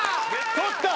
取った！